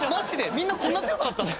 みんなこんな強さだったの？